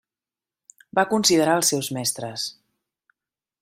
Va considerar els seus mestres: